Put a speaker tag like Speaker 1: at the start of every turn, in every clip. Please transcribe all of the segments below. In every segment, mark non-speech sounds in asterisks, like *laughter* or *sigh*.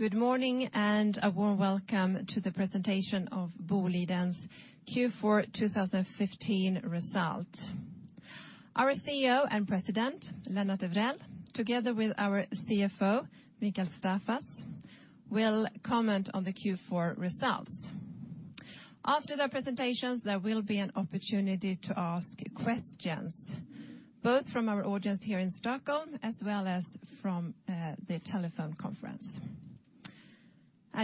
Speaker 1: Good morning. A warm welcome to the presentation of Boliden's Q4 2015 result. Our CEO and President, Lennart Evrell, together with our CFO, Mikael Staffas, will comment on the Q4 results. After their presentations, there will be an opportunity to ask questions, both from our audience here in Stockholm as well as from the telephone conference.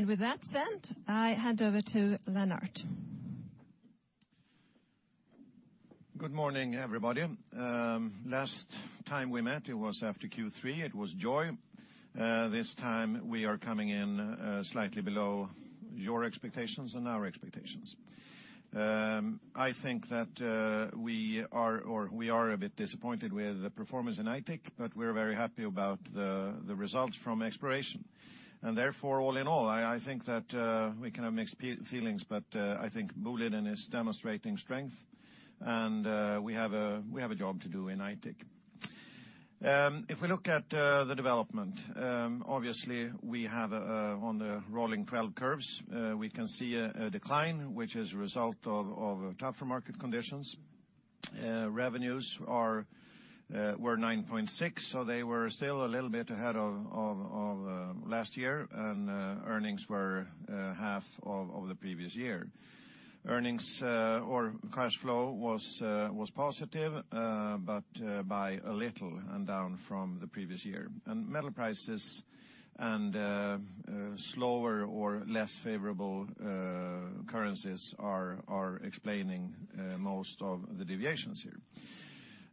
Speaker 1: With that said, I hand over to Lennart.
Speaker 2: Good morning, everybody. Last time we met it was after Q3. It was joy. This time we are coming in slightly below your expectations and our expectations. I think that we are a bit disappointed with the performance in Aitik, but we're very happy about the results from exploration. Therefore, all in all, I think that we can have mixed feelings, but I think Boliden is demonstrating strength, and we have a job to do in Aitik. If we look at the development, obviously we have on the rolling 12 curves, we can see a decline, which is a result of tougher market conditions. Revenues were 9.6, so they were still a little bit ahead of last year, and earnings were half of the previous year. Earnings or cash flow was positive, but by a little and down from the previous year. Metal prices and slower or less favorable currencies are explaining most of the deviations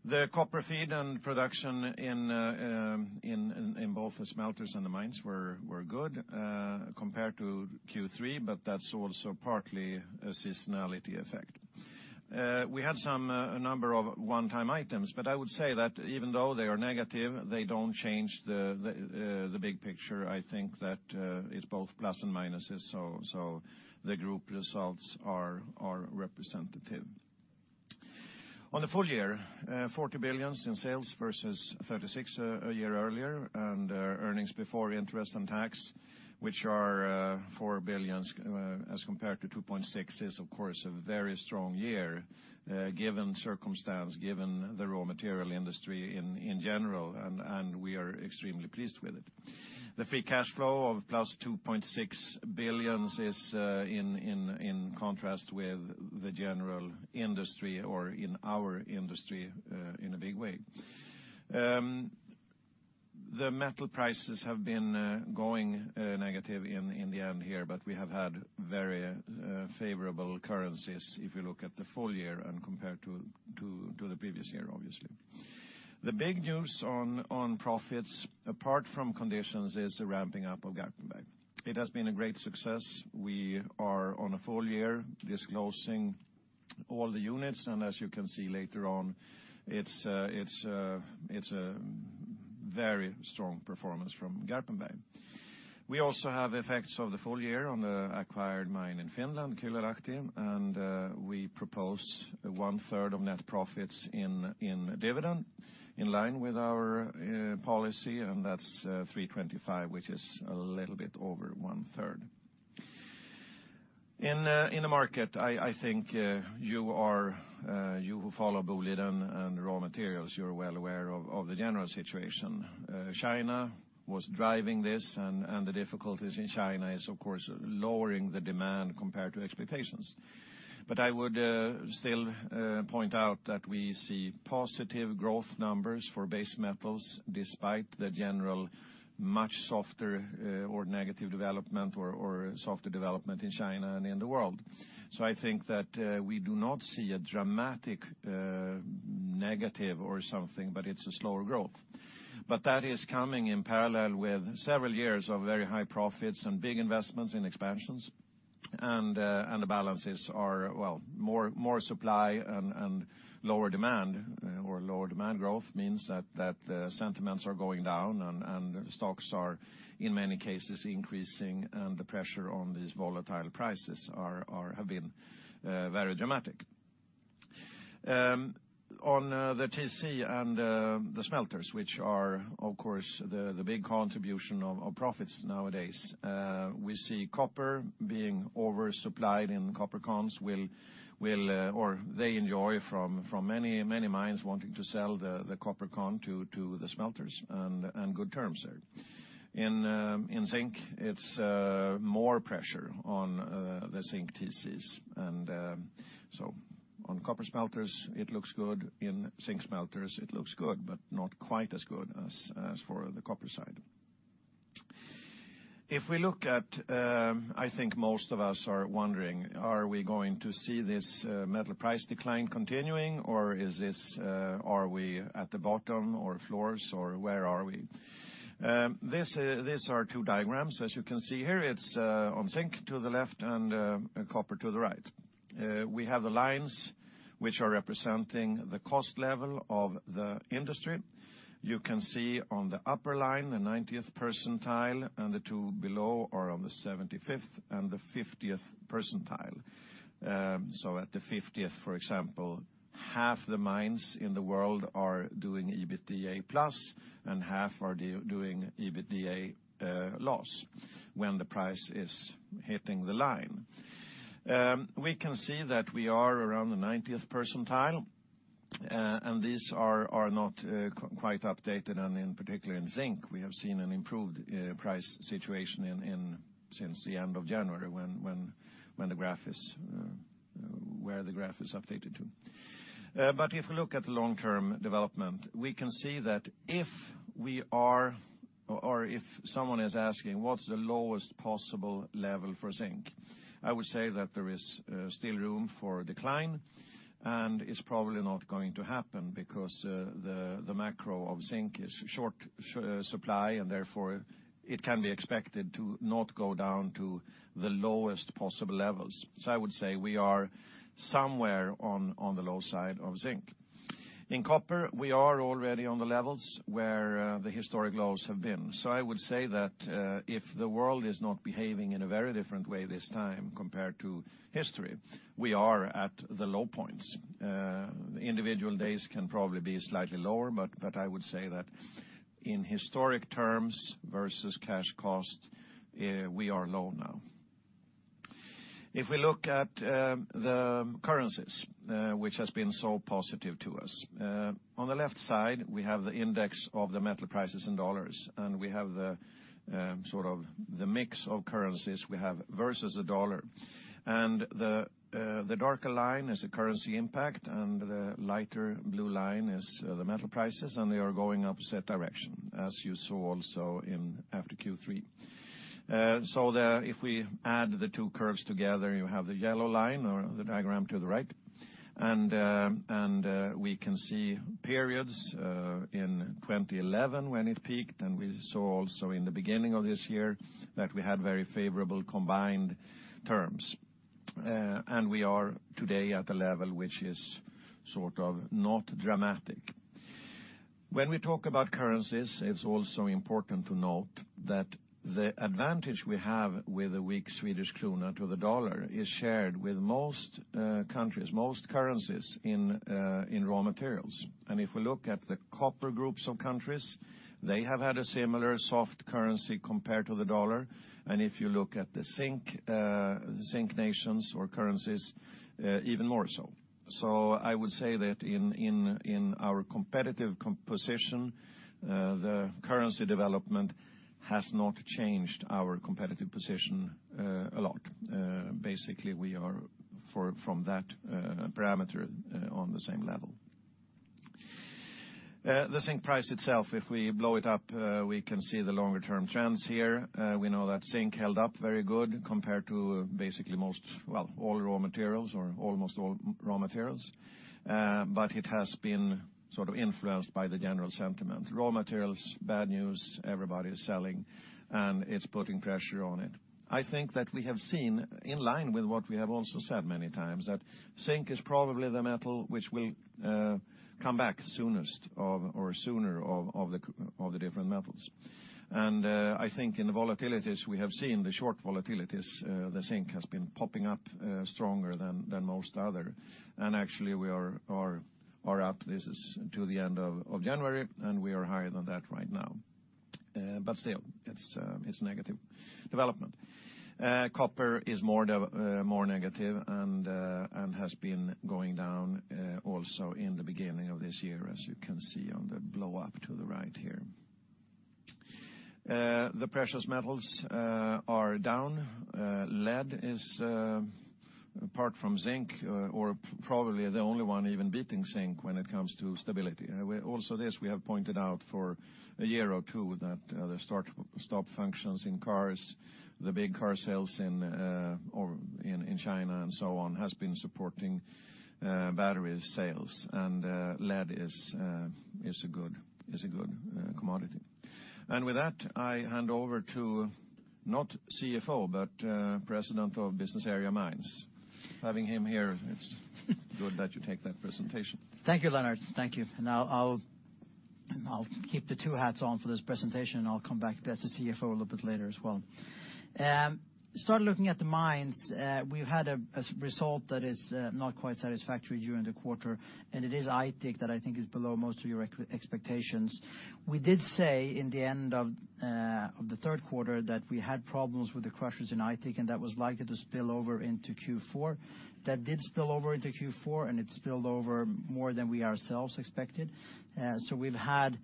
Speaker 2: here. The copper feed and production in both the smelters and the mines were good compared to Q3, but that's also partly a seasonality effect. We had a number of one-time items, but I would say that even though they are negative, they don't change the big picture. I think that it's both plus and minuses, so the group results are representative. On the full year, 40 billion in sales versus 36 billion a year earlier, and earnings before interest and tax, which are 4 billion as compared to 2.6 billion, is of course a very strong year given circumstance, given the raw material industry in general, and we are extremely pleased with it. The free cash flow of plus 2.6 billion is in contrast with the general industry or in our industry in a big way. The metal prices have been going negative in the end here, but we have had very favorable currencies if you look at the full year and compared to the previous year, obviously. The big news on profits, apart from conditions, is the ramping up of Garpenberg. It has been a great success. We are on a full year disclosing all the units, and as you can see later on, it's a very strong performance from Garpenberg. We also have effects of the full year on the acquired mine in Finland, Kylylahti, and we propose one third of net profits in dividend in line with our policy, and that's 3.25, which is a little bit over one third. In the market, I think you who follow Boliden and raw materials, you're well aware of the general situation. China was driving this, the difficulties in China is, of course, lowering the demand compared to expectations. I would still point out that we see positive growth numbers for base metals despite the general much softer or negative development or softer development in China and in the world. I think that we do not see a dramatic negative or something, but it's a slower growth. That is coming in parallel with several years of very high profits and big investments in expansions, and the balances are more supply and lower demand or lower demand growth means that sentiments are going down, and stocks are, in many cases, increasing, and the pressure on these volatile prices have been very dramatic. On the TC and the smelters, which are, of course, the big contribution of profits nowadays. We see copper being oversupplied in copper cons, they enjoy from many mines wanting to sell the copper concentrate to the smelters and good terms there. In zinc, it's more pressure on the zinc TCs. On copper smelters, it looks good. In zinc smelters, it looks good, but not quite as good as for the copper side. If we look at, I think most of us are wondering, are we going to see this metal price decline continuing, or are we at the bottom or floors, or where are we? These are two diagrams. As you can see here, it's on zinc to the left and copper to the right. We have the lines which are representing the cost level of the industry. You can see on the upper line, the 90th percentile, and the two below are on the 75th and the 50th percentile. At the 50th, for example, half the mines in the world are doing EBITDA plus and half are doing EBITDA loss when the price is hitting the line. We can see that we are around the 90th percentile, and these are not quite updated. In particular, in zinc, we have seen an improved price situation since the end of January, where the graph is updated to. If we look at the long-term development, we can see that if someone is asking, "What's the lowest possible level for zinc?" I would say that there is still room for decline, and it's probably not going to happen because the macro of zinc is short supply, and therefore, it can be expected to not go down to the lowest possible levels. I would say we are somewhere on the low side of zinc. In copper, we are already on the levels where the historic lows have been. I would say that if the world is not behaving in a very different way this time compared to history, we are at the low points. Individual days can probably be slightly lower, but I would say that in historic terms versus cash cost, we are low now. If we look at the currencies, which has been so positive to us. On the left side, we have the index of the metal prices in dollars, and we have the mix of currencies we have versus the dollar. The darker line is the currency impact, and the lighter blue line is the metal prices, and they are going opposite direction, as you saw also after Q3. If we add the two curves together, you have the yellow line or the diagram to the right. We can see periods in 2011 when it peaked, and we saw also in the beginning of this year that we had very favorable combined terms. We are today at a level which is not dramatic. When we talk about currencies, it is also important to note that the advantage we have with the weak Swedish krona to the dollar is shared with most currencies in raw materials. If we look at the copper groups of countries, they have had a similar soft currency compared to the dollar. If you look at the zinc nations or currencies, even more so. I would say that in our competitive position, the currency development has not changed our competitive position a lot. Basically, we are, from that parameter, on the same level. The zinc price itself, if we blow it up, we can see the longer-term trends here. We know that zinc held up very good compared to basically all raw materials or almost all raw materials, but it has been influenced by the general sentiment. Raw materials, bad news, everybody is selling, and it is putting pressure on it. I think that we have seen, in line with what we have also said many times, that zinc is probably the metal which will come back sooner of the different metals. I think in the volatilities we have seen, the short volatilities, the zinc has been popping up stronger than most other. Actually we are up. This is to the end of January, and we are higher than that right now. But still, it is negative development. Copper is more negative and has been going down also in the beginning of this year, as you can see on the blow-up to the right here. The precious metals are down. Lead is, apart from zinc, or probably the only one even beating zinc when it comes to stability. Also this, we have pointed out for a year or two that the stop functions in cars, the big car sales in China and so on, has been supporting battery sales. Lead is a good commodity. With that, I hand over to not CFO, but President of Business Area Mines. Having him here, it is good that you take that presentation.
Speaker 3: Thank you, Lennart. Thank you. I will keep the two hats on for this presentation, and I will come back as the CFO a little bit later as well. Start looking at the mines. We have had a result that is not quite satisfactory during the quarter, and it is Aitik that I think is below most of your expectations. We did say in the end of the third quarter that we had problems with the crushers in Aitik, and that was likely to spill over into Q4. That did spill over into Q4, and it spilled over more than we ourselves expected. We have had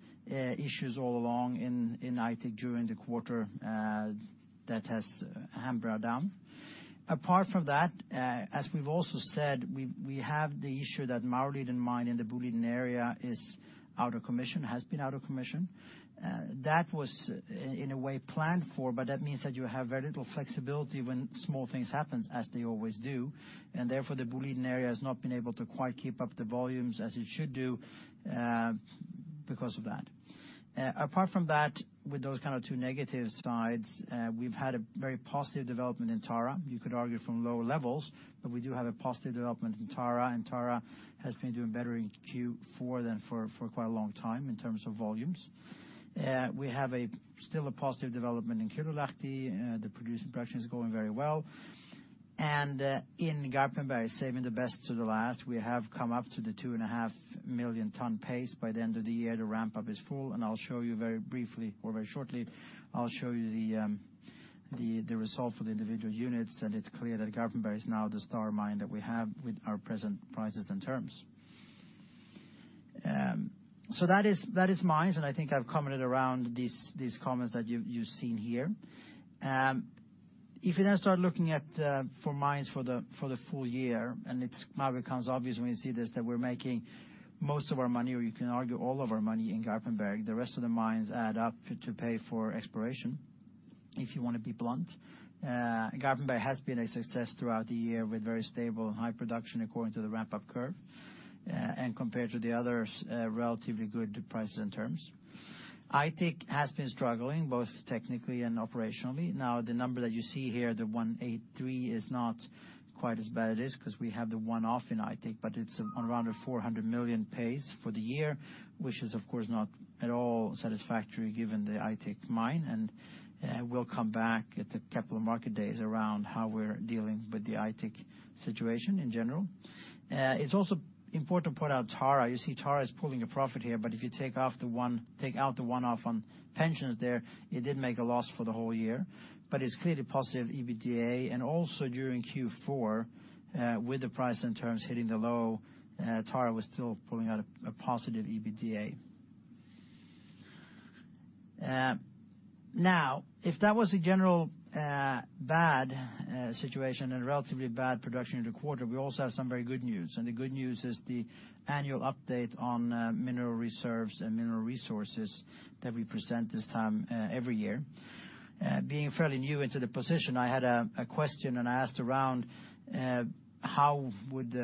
Speaker 3: issues all along in Aitik during the quarter that has hampered our down. Apart from that, as we have also said, we have the issue that Maurliden mine in the Boliden area is out of commission, has been out of commission. That was in a way planned for, but that means that you have very little flexibility when small things happen, as they always do. Therefore, the Boliden area has not been able to quite keep up the volumes as it should do because of that. Apart from that, with those two negative sides, we've had a very positive development in Tara. You could argue from lower levels, but we do have a positive development in Tara, and Tara has been doing better in Q4 than for quite a long time in terms of volumes. We have still a positive development in Kylylahti. The production is going very well. In Garpenberg, saving the best to the last, we have come up to the two and a half million ton pace by the end of the year. The ramp-up is full, and I'll show you very briefly or very shortly, I'll show you the result for the individual units, and it's clear that Garpenberg is now the star mine that we have with our present prices and terms. That is mines, and I think I've commented around these comments that you've seen here. If you then start looking for mines for the full year, and it might become obvious when you see this, that we're making most of our money, or you can argue all of our money, in Garpenberg. The rest of the mines add up to pay for exploration, if you want to be blunt. Garpenberg has been a success throughout the year with very stable and high production according to the ramp-up curve, and compared to the others, relatively good prices and terms. Aitik has been struggling, both technically and operationally. Now, the number that you see here, the 183, is not quite as bad as this, because we have the one-off in Aitik, but it's around a 400 million pace for the year, which is of course not at all satisfactory given the Aitik mine, and we'll come back at the Capital Markets Day around how we're dealing with the Aitik situation in general. It's also important to point out Tara. You see Tara is pulling a profit here, but if you take out the one-off on pensions there, it did make a loss for the whole year. It's clearly positive EBITDA, and also during Q4, with the price and terms hitting the low, Tara was still pulling out a positive EBITDA. Now, if that was a general bad situation and a relatively bad production in the quarter, we also have some very good news. The good news is the annual update on mineral reserves and mineral resources that we present this time every year. Being fairly new into the position, I had a question, and I asked around how would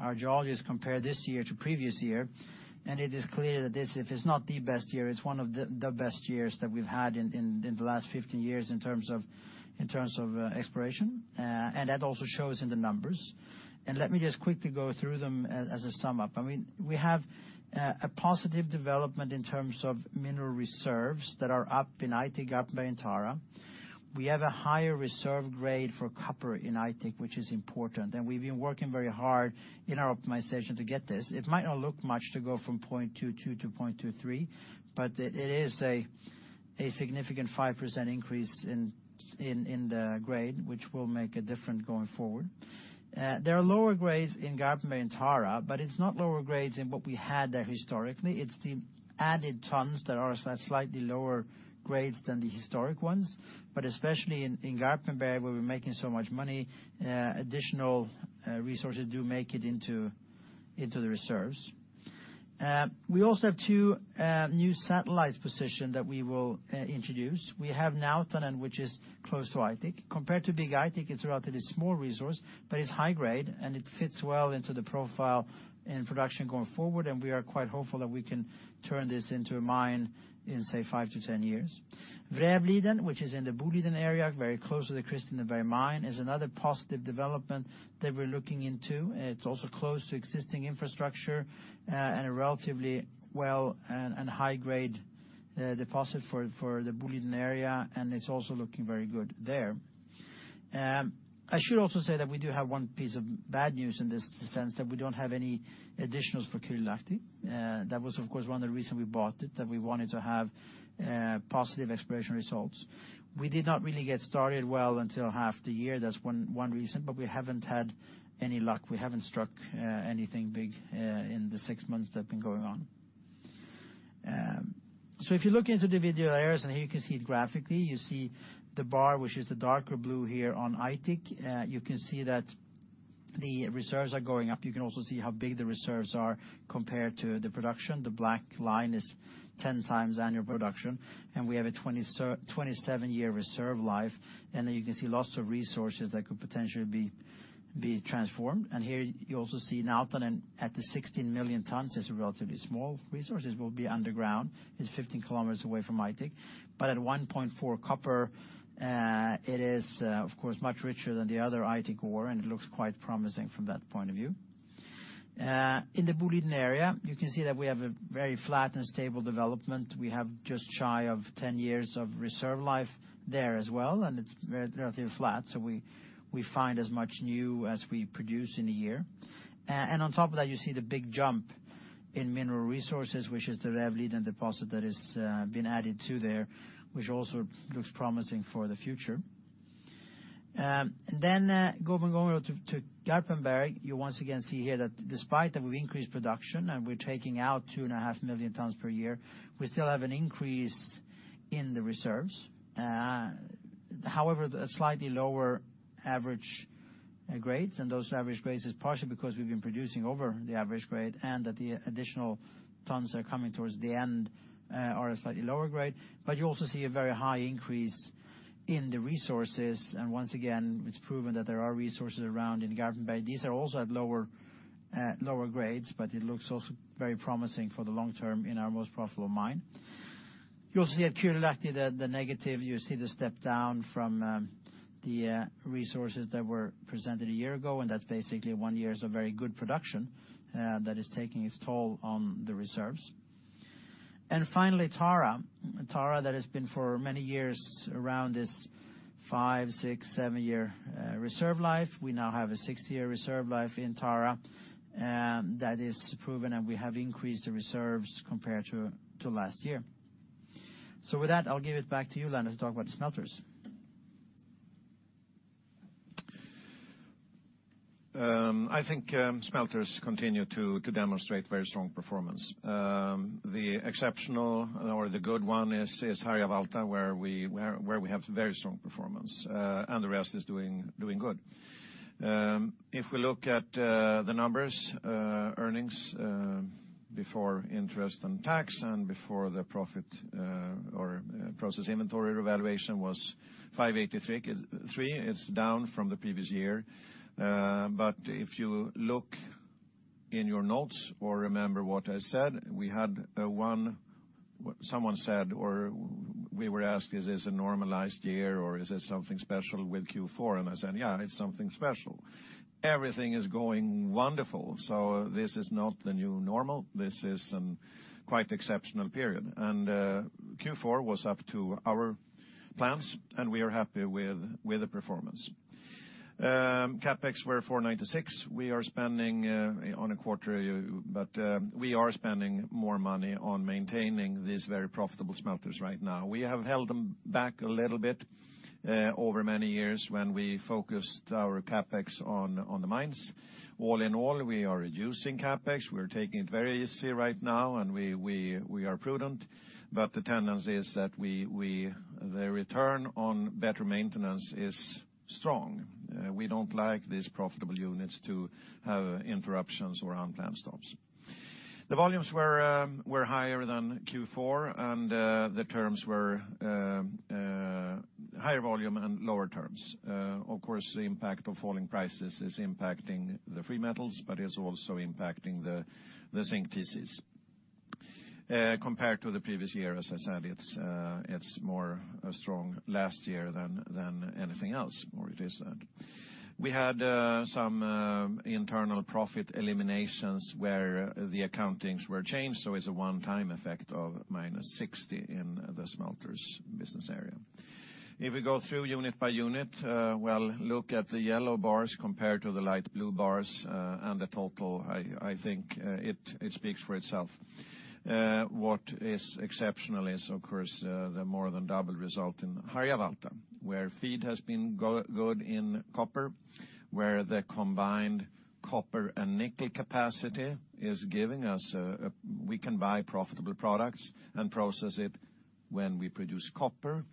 Speaker 3: our geologists compare this year to previous year. It is clear that if it's not the best year, it's one of the best years that we've had in the last 50 years in terms of exploration. That also shows in the numbers. Let me just quickly go through them as a sum up. We have a positive development in terms of mineral reserves that are up in Aitik, Garpenberg, and Tara. We have a higher reserve grade for copper in Aitik, which is important, and we've been working very hard in our optimization to get this. It might not look much to go from 0.22 to 0.23, but it is a significant 5% increase in the grade, which will make a difference going forward. There are lower grades in Garpenberg and Tara, but it's not lower grades in what we had there historically. It's the added tons that are at slightly lower grades than the historic ones. Especially in Garpenberg, where we're making so much money, additional resources do make it into the reserves. We also have two new satellite positions that we will introduce. We have Nautanen, which is close to Aitik. Compared to big Aitik, it's a relatively small resource, but it's high grade and it fits well into the profile in production going forward, and we are quite hopeful that we can turn this into a mine in, say, 5 to 10 years. Rävliden, which is in the Boliden area, very close to the Kristineberg mine, is another positive development that we're looking into. It's also close to existing infrastructure and a relatively well and high-grade deposit for the Boliden area, and it's also looking very good there. I should also say that we do have one piece of bad news in the sense that we don't have any additionals for Kiirunavaara. That was, of course, one of the reasons we bought it, that we wanted to have positive exploration results. We did not really get started well until half the year. That's one reason, but we haven't had any luck. We haven't struck anything big in the six months that have been going on. If you look into the video there, here you can see it graphically, you see the bar, which is the darker blue here on Aitik. You can see that the reserves are going up. You can also see how big the reserves are compared to the production. The black line is 10 times annual production, and we have a 27-year reserve life. You can see lots of resources that could potentially be transformed. Here you also see Nautanen at the 16 million tons is a relatively small resource. This will be underground. It's 15 kilometers away from Aitik. At 1.4 copper, it is of course much richer than the other Aitik ore, and it looks quite promising from that point of view. In the Boliden area, you can see that we have a very flat and stable development. We have just shy of 10 years of reserve life there as well, and it's relatively flat, so we find as much new as we produce in a year. On top of that, you see the big jump in mineral resources, which is the Rävliden deposit that has been added to there, which also looks promising for the future. Going over to Garpenberg, you once again see here that despite that we've increased production and we're taking out two and a half million tons per year, we still have an increase in the reserves. However, a slightly lower average grades, and those average grades is partially because we've been producing over the average grade and that the additional tons that are coming towards the end are a slightly lower grade. You also see a very high increase in the resources, and once again, it's proven that there are resources around in Garpenberg. These are also at lower grades, but it looks also very promising for the long term in our most profitable mine. You also see at Kiirunavaara the negative. You see the step down from the resources that were presented a year ago, and that's basically one year's of very good production that is taking its toll on the reserves. Finally, Tara. Tara, that has been for many years around this five, six, seven-year reserve life. We now have a six-year reserve life in Tara that is proven, and we have increased the reserves compared to last year. With that, I'll give it back to you, Lennart, to talk about smelters.
Speaker 2: I think smelters continue to demonstrate very strong performance. The exceptional or the good one is Harjavalta, where we have very strong performance, and the rest is doing good. If we look at the numbers, earnings before interest and tax and before the process inventory revaluation was 583. It's down from the previous year. But if you look in your notes or remember what I said, someone said or we were asked, "Is this a normalized year or is this something special with Q4?" And I said, "Yeah, it's something special." Everything is going wonderful. So this is not the new normal. This is a quite exceptional period. Q4 was up to our plans, and we are happy with the performance. CapEx were 496. We are spending on a quarter, but we are spending more money on maintaining these very profitable smelters right now. We have held them back a little bit over many years when we focused our CapEx on the mines. All in all, we are reducing CapEx. We're taking it very easy right now, and we are prudent, but the tendency is that the return on better maintenance is strong. We don't like these profitable units to have interruptions or unplanned stops. The volumes were higher than Q4, and the terms were higher volume and lower terms. Of course, the impact of falling prices is impacting the free metals, but it's also impacting the zinc TCs. Compared to the previous year, as I said, it's more strong last year than anything else, or it is that. We had some internal profit eliminations where the accountings were changed, so it's a one-time effect of minus 60 in the smelters business area. If we go through unit by unit, well, look at the yellow bars compared to the light blue bars and the total, I think it speaks for itself. What is exceptional is, of course, the more than double result in Harjavalta, where feed has been good in copper, where the combined copper and nickel capacity is giving us a-- We can buy profitable products and process it when we produce copper,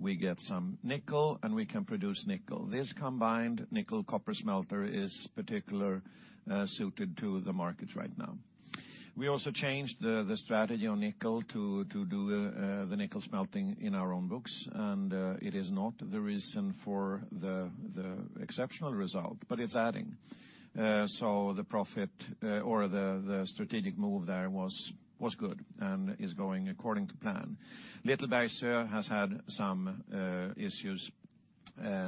Speaker 2: we get some nickel, and we can produce nickel. This combined nickel copper smelter is particular suited to the markets right now. We also changed the strategy on nickel to do the nickel smelting in our own books, and it is not the reason for the exceptional result, but it's adding. So the strategic move there was good and is going according to plan. Little Bergsöe has had some issues,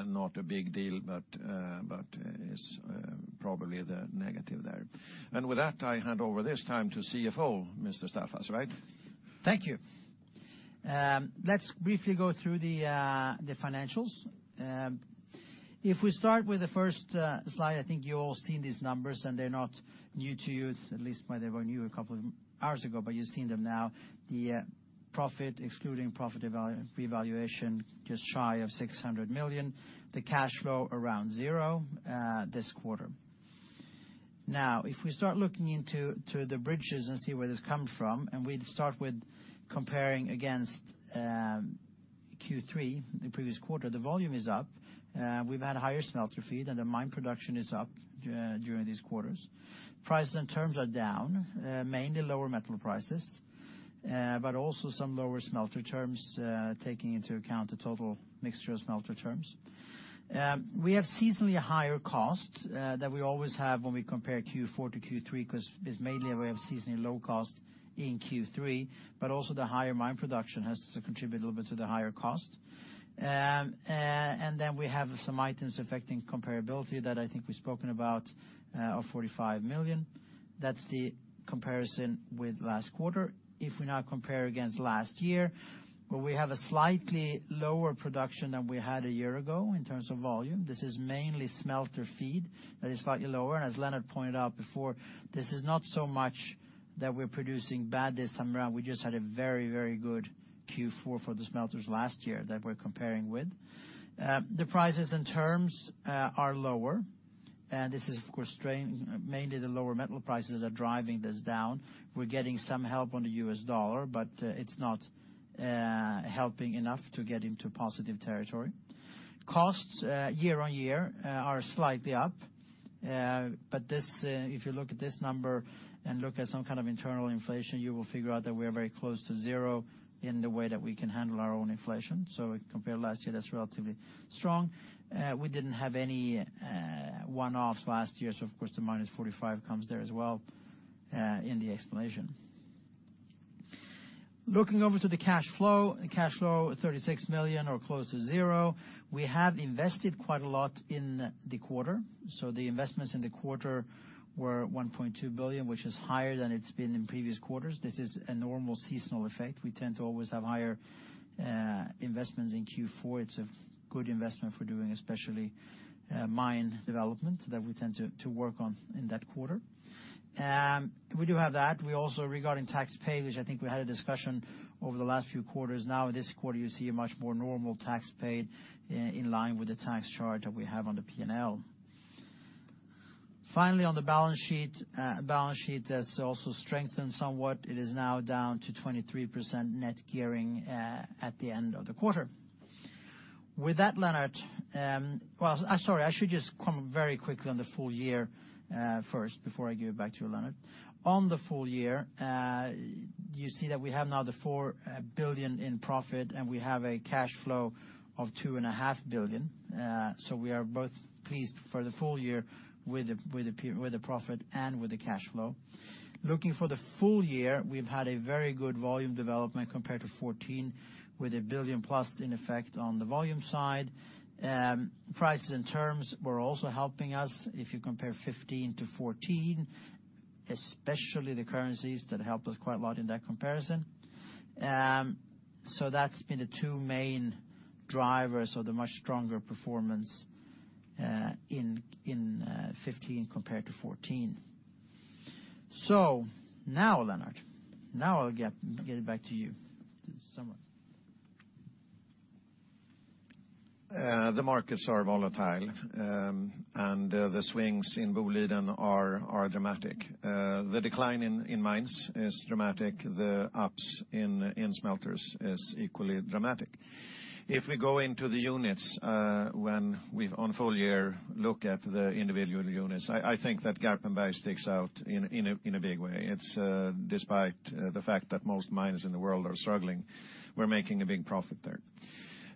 Speaker 2: not a big deal, but it's probably the negative there. With that, I hand over this time to CFO, Mr. Staffas, right?
Speaker 3: Thank you. Let's briefly go through the financials. If we start with the first slide, I think you've all seen these numbers, and they're not new to you, at least they were new a couple of hours ago, but you've seen them now. The profit, excluding process inventory revaluation, just shy of 600 million. The cash flow around zero this quarter. If we start looking into the bridges and see where this comes from, we'd start with comparing against Q3, the previous quarter. The volume is up. We've had higher smelter feed, mine production is up during these quarters. Prices and terms are down, mainly lower metal prices but also some lower smelter terms, taking into account the total mixture of smelter terms. We have seasonally higher costs than we always have when we compare Q4 to Q3, because it's mainly we have seasonally low cost in Q3, but also the higher mine production has to contribute a little bit to the higher cost. Then we have some items affecting comparability that I think we've spoken about of 45 million. That's the comparison with last quarter. If we now compare against last year, where we have a slightly lower production than we had a year ago in terms of volume, this is mainly smelter feed that is slightly lower. As Lennart pointed out before, this is not so much that we're producing bad this time around. We just had a very good Q4 for the smelters last year that we're comparing with. The prices and terms are lower. This is, of course, mainly the lower metal prices are driving this down. We're getting some help on the US dollar, but it's not helping enough to get into positive territory. Costs year-on-year are slightly up. If you look at this number and look at some kind of internal inflation, you will figure out that we are very close to zero in the way that we can handle our own inflation. Compared to last year, that's relatively strong. We didn't have any one-offs last year, of course, the -45 comes there as well in the explanation. Looking over to the cash flow, cash flow 36 million or close to zero. We have invested quite a lot in the quarter. The investments in the quarter were 1.2 billion, which is higher than it's been in previous quarters. This is a normal seasonal effect. We tend to always have higher investments in Q4. It's a good investment for doing, especially mine development that we tend to work on in that quarter. We do have that. Also regarding tax pay, which I think we had a discussion over the last few quarters now. This quarter you see a much more normal tax paid in line with the tax charge that we have on the P&L. Finally, on the balance sheet, it has also strengthened somewhat. It is now down to 23% net gearing at the end of the quarter. With that, Lennart. Well, sorry, I should just come very quickly on the full year first before I give it back to you, Lennart. On the full year, you see that we have now the 4 billion in profit, and we have a cash flow of 2.5 billion. We are both pleased for the full year with the profit and with the cash flow. Looking for the full year, we've had a very good volume development compared to 2014, with a 1 billion plus in effect on the volume side. Prices and terms were also helping us. If you compare 2015 to 2014, especially the currencies, that helped us quite a lot in that comparison. That's been the two main drivers of the much stronger performance in 2015 compared to 2014. Now, Lennart, I'll get it back to you to summarize.
Speaker 2: The markets are volatile, the swings in Boliden are dramatic. The decline in mines is dramatic. The ups in smelters is equally dramatic. If we go into the units, when we've, on full year, look at the individual units, I think that Garpenberg sticks out in a big way. Despite the fact that most mines in the world are struggling, we're making a big profit there.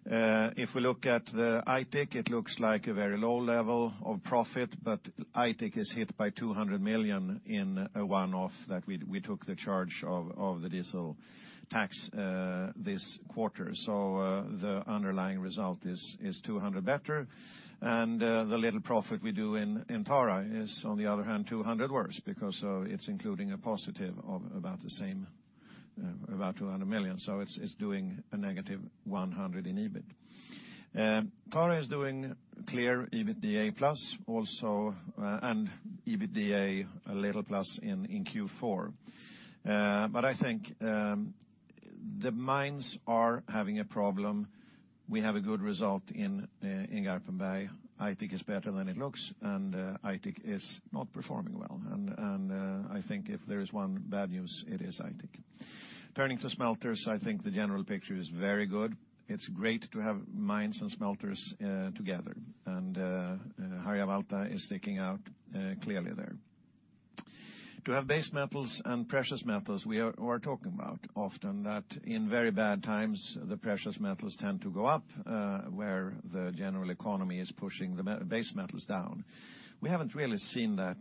Speaker 2: If we look at Aitik, it looks like a very low level of profit, but Aitik is hit by 200 million in a one-off that we took the charge of the diesel tax this quarter. The underlying result is 200 better. The little profit we do in Tara is, on the other hand, 200 worse, because it's including a positive of about the same, about 200 million. It's doing a negative 100 in EBIT. Tara is doing clear EBITDA plus also, EBITDA a little plus in Q4. I think the mines are having a problem. We have a good result in Garpenberg. Aitik is better than it looks, Aitik is not performing well. I think if there is one bad news, it is Aitik. Turning to smelters, I think the general picture is very good. It's great to have mines and smelters together, Harjavalta is sticking out clearly there. To have base metals and precious metals, we are talking about often that in very bad times, the precious metals tend to go up, where the general economy is pushing the base metals down. We haven't really seen that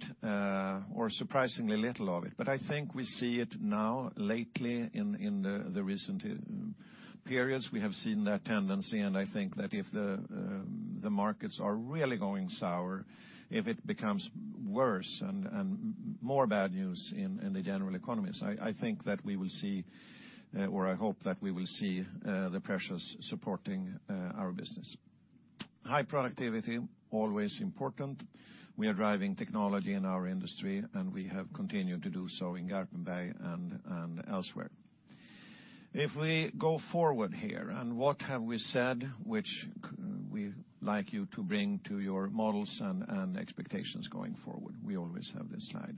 Speaker 2: or surprisingly little of it, I think we see it now lately in the recent periods. We have seen that tendency. I think that if the markets are really going sour, if it becomes worse and more bad news in the general economies, I think that we will see, or I hope that we will see the precious supporting our business. High productivity, always important. We are driving technology in our industry. We have continued to do so in Garpenberg and elsewhere. What have we said, which we like you to bring to your models and expectations going forward? We always have this slide.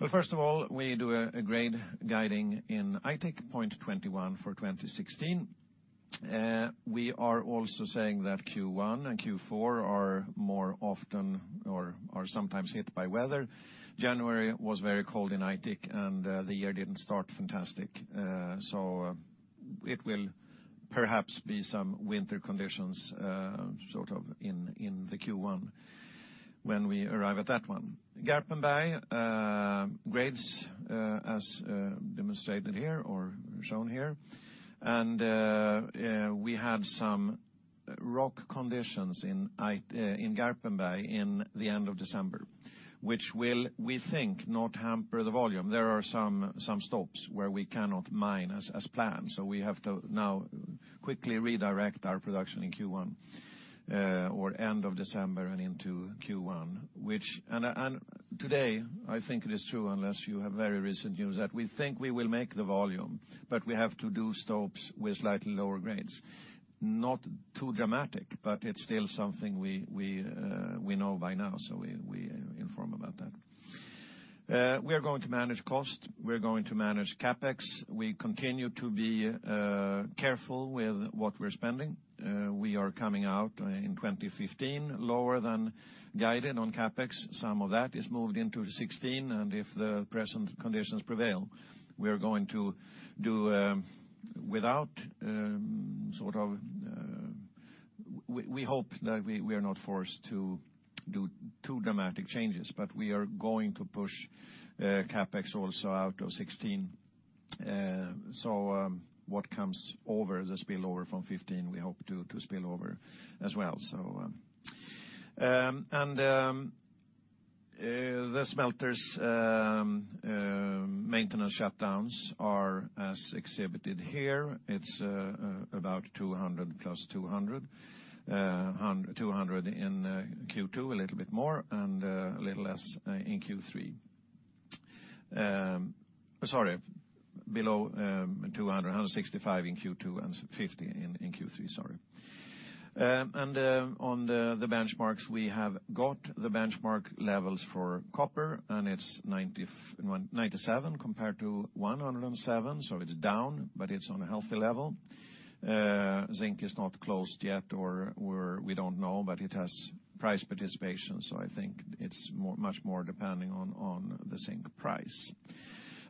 Speaker 2: Well, first of all, we do a grade guiding in Aitik, 0.21 for 2016. We are also saying that Q1 and Q4 are more often or are sometimes hit by weather. January was very cold in Aitik. The year didn't start fantastic. It will perhaps be some winter conditions, sort of in the Q1 when we arrive at that one. Garpenberg grades, as demonstrated here or shown here. We had some rock conditions in Garpenberg in the end of December, which will, we think, not hamper the volume. There are some stopes where we cannot mine as planned. We have to now quickly redirect our production in Q1 or end of December and into Q1. Today, I think it is true, unless you have very recent news, that we think we will make the volume, but we have to do stopes with slightly lower grades. Not too dramatic, but it's still something we know by now. We inform about that. We are going to manage cost. We're going to manage CapEx. We continue to be careful with what we're spending. We are coming out in 2015 lower than guided on CapEx. Some of that is moved into 2016. If the present conditions prevail, we are going to do without. We hope that we are not forced to do too dramatic changes, but we are going to push CapEx also out of 2016. What comes over the spillover from 2015, we hope to spill over as well. The smelters Maintenance shutdowns are as exhibited here. It's about 200 plus 200. 200 in Q2, a little bit more. A little less in Q3. Sorry, below 200. 165 in Q2 and 50 in Q3. On the benchmarks, we have got the benchmark levels for copper. It's 97 compared to 107, so it's down, but it's on a healthy level. Zinc is not closed yet, or we don't know, but it has price participation, so I think it's much more depending on the zinc price.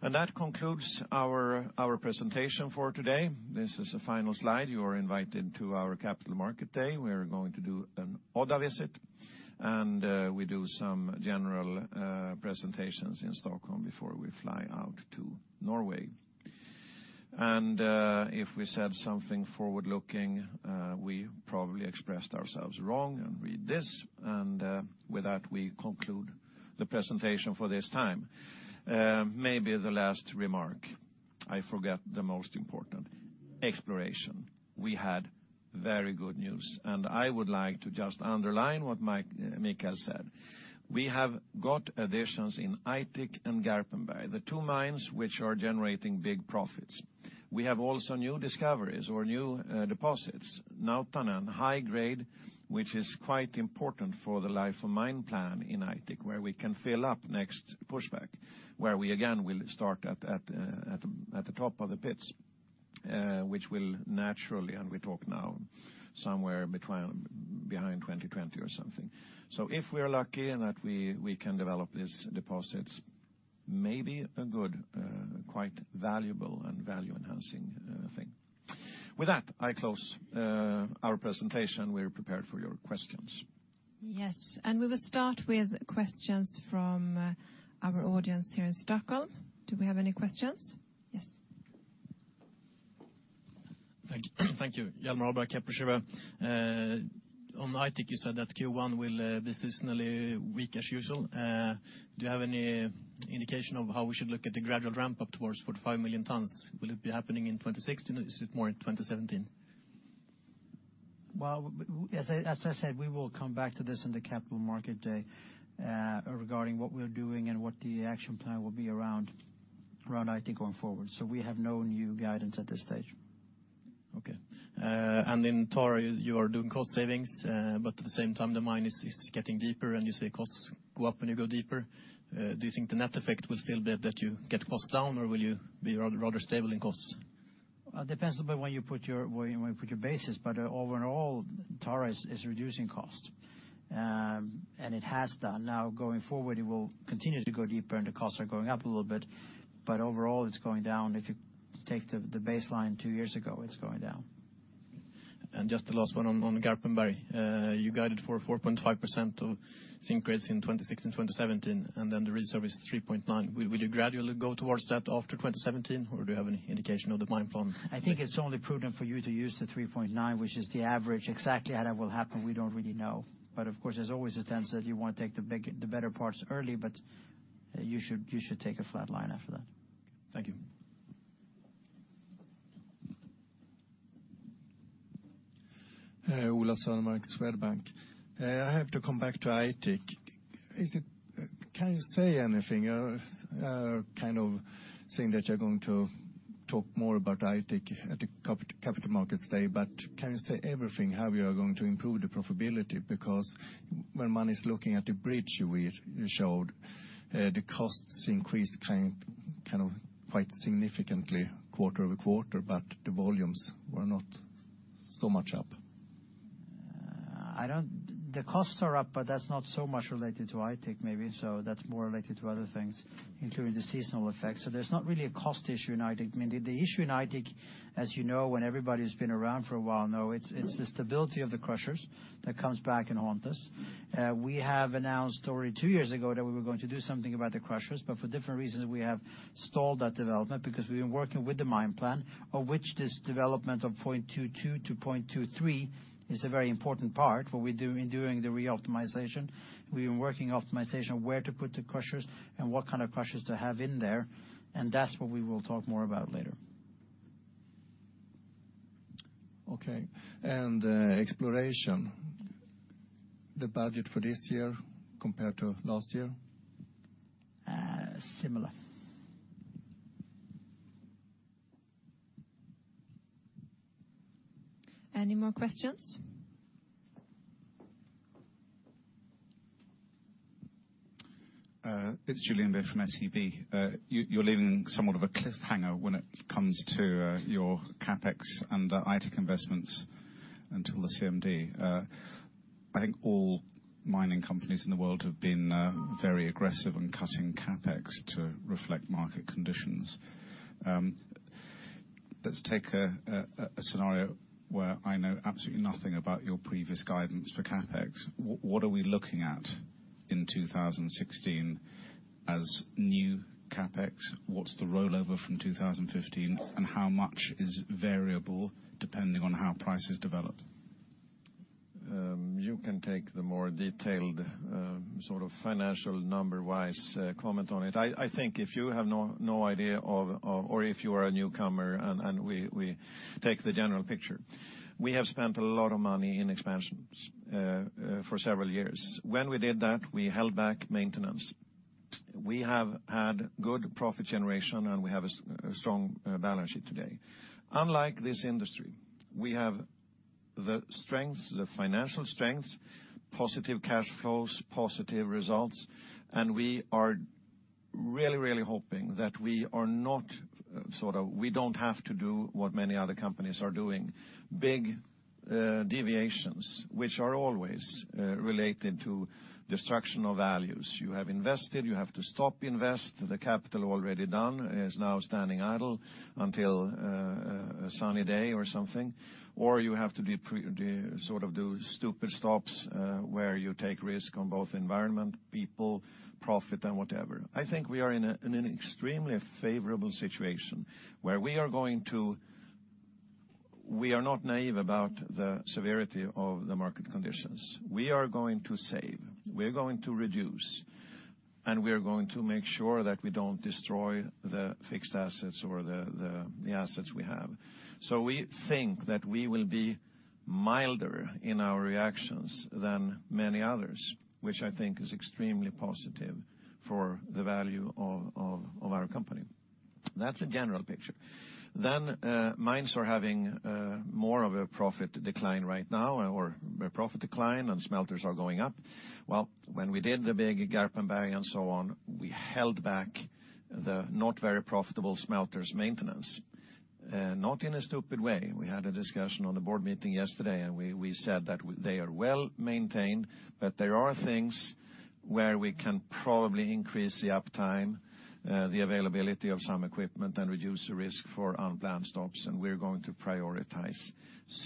Speaker 2: That concludes our presentation for today. This is the final slide. You are invited to our Capital Markets Day. We are going to do an Odda visit. We do some general presentations in Stockholm before we fly out to Norway. If we said something forward-looking, we probably expressed ourselves wrong. Read this. With that, we conclude the presentation for this time. Maybe the last remark, I forgot the most important. Exploration. We had very good news. I would like to just underline what Mikael said. We have got additions in Aitik and Garpenberg, the two mines which are generating big profits. We have also new discoveries or new deposits, Nautanen high grade, which is quite important for the life of mine plan in Aitik, where we can fill up next pushback, where we again will start at the top of the pits, which will naturally, and we talk now somewhere behind 2020 or something. If we're lucky in that we can develop these deposits, maybe a good quite valuable and value-enhancing thing. With that, I close our presentation. We are prepared for your questions.
Speaker 1: Yes. We will start with questions from our audience here in Stockholm. Do we have any questions? Yes.
Speaker 4: Thank you. *inaudible* On Aitik, you said that Q1 will be seasonally weak as usual. Do you have any indication of how we should look at the gradual ramp up towards 45 million tons? Will it be happening in 2016, or is it more in 2017?
Speaker 3: Well, as I said, we will come back to this in the Capital Markets Day regarding what we're doing and what the action plan will be around Aitik going forward. We have no new guidance at this stage.
Speaker 4: Okay. In Tara, you are doing cost savings, but at the same time, the mine is getting deeper, and you say costs go up when you go deeper. Do you think the net effect will feel that you get costs down, or will you be rather stable in costs?
Speaker 3: Depends on when you put your basis, overall, Tara is reducing cost. It has done. Going forward, it will continue to go deeper, and the costs are going up a little bit, but overall, it's going down. If you take the baseline two years ago, it's going down.
Speaker 4: Just the last one on Garpenberg. You guided for 4.5% of zinc grades in 2016, 2017. Then the reserve is 3.9%. Will you gradually go towards that after 2017, or do you have any indication of the mine plan?
Speaker 3: I think it's only prudent for you to use the 3.9%, which is the average. Exactly how that will happen, we don't really know. Of course, there's always a tendency that you want to take the better parts early, but you should take a flat line after that.
Speaker 4: Thank you.
Speaker 5: Ola Sörmark, Swedbank. I have to come back to Aitik. Can you say anything? I was saying that you're going to talk more about Aitik at the Capital Markets Day, but can you say everything, how you are going to improve the profitability? Because when one is looking at the bridge you showed, the costs increased quite significantly quarter-over-quarter, but the volumes were not so much up.
Speaker 3: The costs are up, that's not so much related to Aitik maybe, that's more related to other things, including the seasonal effect. There's not really a cost issue in Aitik. The issue in Aitik, as you know, when everybody's been around for a while know, it's the stability of the crushers that comes back and haunt us. We have announced already two years ago that we were going to do something about the crushers, for different reasons, we have stalled that development because we've been working with the mine plan, of which this development of 0.22 to 0.23 is a very important part in doing the re-optimization. We've been working optimization, where to put the crushers and what kind of crushers to have in there, that's what we will talk more about later.
Speaker 5: Okay. Exploration. The budget for this year compared to last year?
Speaker 3: Similar.
Speaker 1: Any more questions?
Speaker 6: It's Julian Bahr from SEB. You're leaving somewhat of a cliffhanger when it comes to your CapEx and Aitik investments until the CMD. I think all mining companies in the world have been very aggressive on cutting CapEx to reflect market conditions. Let's take a scenario where I know absolutely nothing about your previous guidance for CapEx. What are we looking at in 2016 as new CapEx? What's the rollover from 2015, and how much is variable depending on how prices develop?
Speaker 2: You can take the more detailed financial number-wise comment on it. I think if you have no idea, or if you are a newcomer, and we take the general picture, we have spent a lot of money in expansions for several years. When we did that, we held back maintenance. We have had good profit generation, and we have a strong balance sheet today. Unlike this industry, we have the financial strengths, positive cash flows, positive results, and we are really hoping that we don't have to do what many other companies are doing, big deviations, which are always related to destruction of values. You have invested, you have to stop invest, the capital already done is now standing idle until a sunny day or something. You have to do stupid stops, where you take risk on both environment, people, profit, and whatever. I think we are in an extremely favorable situation, where We are not naive about the severity of the market conditions. We are going to save, we are going to reduce, and we are going to make sure that we don't destroy the fixed assets or the assets we have. We think that we will be milder in our reactions than many others, which I think is extremely positive for the value of our company. That's a general picture. Mines are having more of a profit decline right now, or a profit decline, and smelters are going up. Well, when we did the big Garpenberg and so on, we held back the not very profitable smelters maintenance. Not in a stupid way. We had a discussion on the board meeting yesterday, and we said that they are well-maintained, but there are things where we can probably increase the uptime, the availability of some equipment, and reduce the risk for unplanned stops, and we're going to prioritize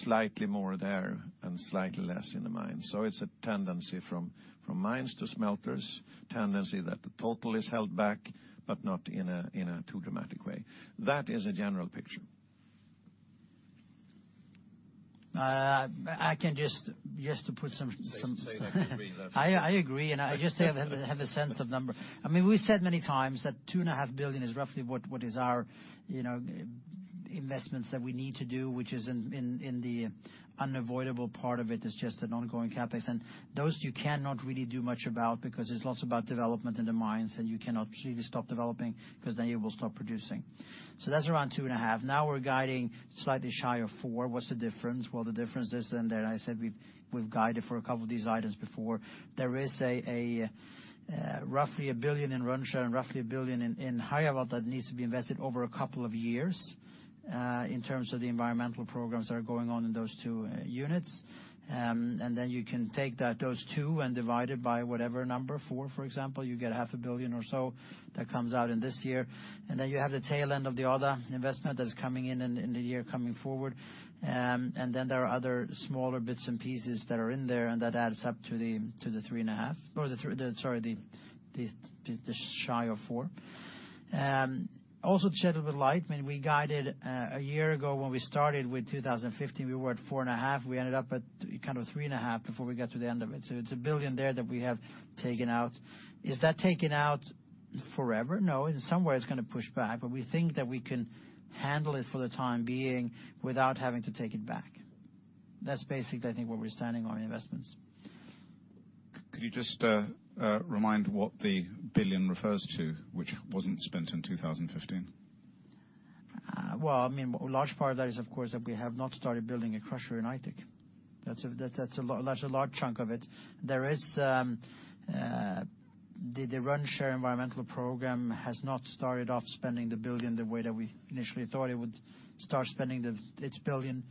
Speaker 2: slightly more there and slightly less in the mines. It's a tendency from mines to smelters, tendency that the total is held back, but not in a too dramatic way. That is a general picture.
Speaker 3: I can just.
Speaker 2: Say that you agree that.
Speaker 3: I agree, I just have a sense of number. We said many times that two and a half billion is roughly what is our investments that we need to do, which is in the unavoidable part of it's just an ongoing CapEx. Those you cannot really do much about, because it's also about development in the mines, and you cannot really stop developing, because then you will stop producing. That's around two and a half. Now we're guiding slightly shy of four. What's the difference? The difference is in there. I said we've guided for a couple of these items before. There is roughly 1 billion in Rönnskär and roughly 1 billion in Harjavalta that needs to be invested over a couple of years, in terms of the environmental programs that are going on in those two units. You can take those two and divide it by whatever number, four for example, you get half a billion SEK or so that comes out in this year. You have the tail end of the other investment that's coming in the year coming forward. There are other smaller bits and pieces that are in there, and that adds up to the 3.5 billion. Or, sorry, the shy of 4 billion. To shed a bit of light, when we guided a year ago, when we started with 2015, we were at 4.5 billion. We ended up at 3.5 billion before we got to the end of it. It's 1 billion there that we have taken out. Is that taken out forever? No. In some way it's going to push back, but we think that we can handle it for the time being without having to take it back. That's basically, I think, where we're standing on investments.
Speaker 6: Could you just remind what the 1 billion refers to, which wasn't spent in 2015?
Speaker 3: A large part of that is, of course, that we have not started building a crusher in Aitik. That's a large chunk of it. The Rönnskär environmental program has not started off spending the 1 billion the way that we initially thought it would start spending its 1 billion.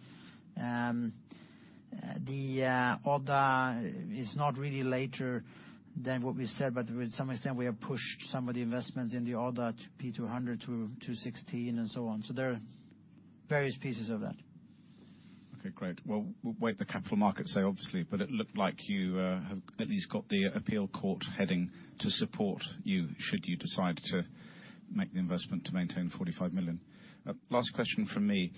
Speaker 3: The Odda 200 is not really later than what we said, but to some extent, we have pushed some of the investments in the Odda 200 to 2016 and so on. There are various pieces of that.
Speaker 6: Okay, great. Well, we'll wait the Capital Markets Day obviously, but it looked like you have at least got the appeal court heading to support you, should you decide to make the investment to maintain the 45 million. Last question from me.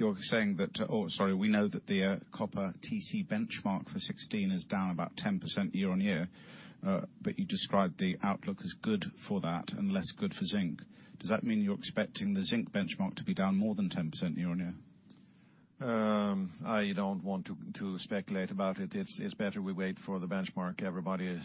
Speaker 6: You're saying that Oh, sorry. We know that the copper TC benchmark for 2016 is down about 10% year-over-year. You described the outlook as good for that and less good for zinc. Does that mean you're expecting the zinc benchmark to be down more than 10% year-over-year?
Speaker 2: I don't want to speculate about it. It's better we wait for the benchmark. Everybody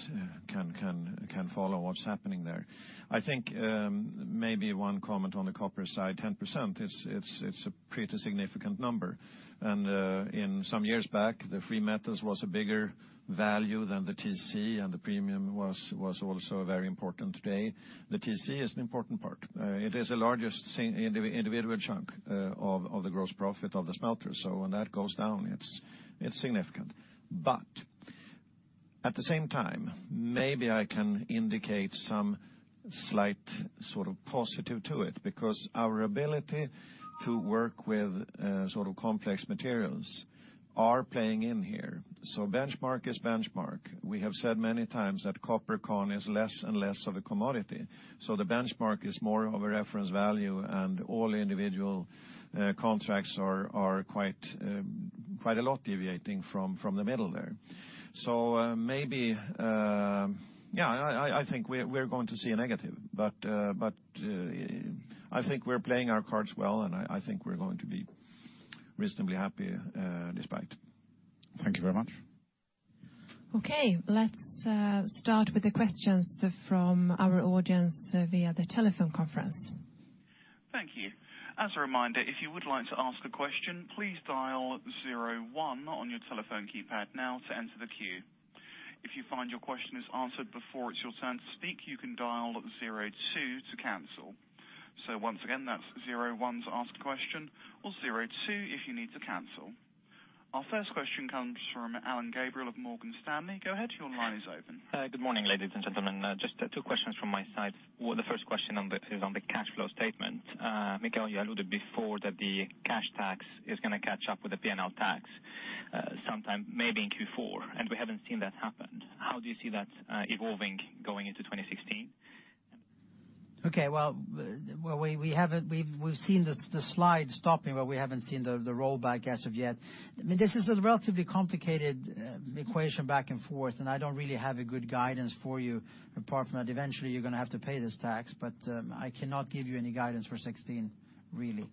Speaker 2: can follow what's happening there. I think maybe one comment on the copper side, 10% it's a pretty significant number. In some years back, the free metals was a bigger value than the TC, and the premium was also very important today. The TC is an important part. It is the largest individual chunk of the gross profit of the smelter. When that goes down, it's significant. At the same time, maybe I can indicate some slight positive to it, because our ability to work with complex materials are playing in here. Benchmark is benchmark. We have said many times that copper concentrate is less and less of a commodity. The benchmark is more of a reference value, and all individual contracts are quite a lot deviating from the middle there. I think we're going to see a negative, but I think we're playing our cards well, and I think we're going to be reasonably happy despite.
Speaker 7: Thank you very much.
Speaker 1: Okay. Let's start with the questions from our audience via the telephone conference.
Speaker 8: Thank you. As a reminder, if you would like to ask a question, please dial 01 on your telephone keypad now to enter the queue. If you find your question is answered before it's your turn to speak, you can dial 02 to cancel. Once again, that's 01 to ask a question or 02 if you need to cancel. Our first question comes from Alain Gabriel of Morgan Stanley. Go ahead, your line is open.
Speaker 9: Good morning, ladies and gentlemen. Just two questions from my side. Well, the first question is on the cash flow statement. Mikael, you alluded before that the cash tax is going to catch up with the P&L tax, sometime maybe in Q4, and we haven't seen that happen. How do you see that evolving going into 2016?
Speaker 3: Okay. Well, we've seen the slide stopping, but we haven't seen the rollback as of yet. This is a relatively complicated equation back and forth, and I don't really have a good guidance for you, apart from that eventually you're going to have to pay this tax. I cannot give you any guidance for 2016, really.